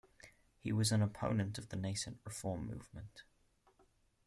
He was an opponent of the nascent Reform movement.